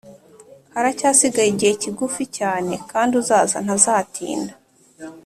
Haracyasigaye igihe kigufi cyane Kandi uzaza ntazatinda